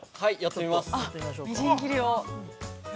◆みじん切りを。